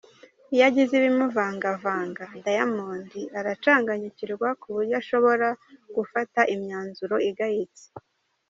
Iyo agize ibumuvangavanga, Diamond aracanganyukirwa ku buryo ashobora gufata imyanzuro igayitse.